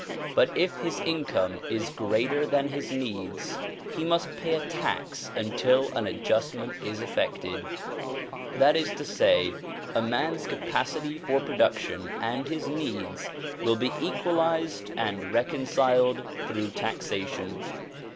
But if his income is greater than his needs he must pay a tax until an adjustment is effected. That is to say, a man's capacity for production and his needs will be equalized and reconciled through taxation.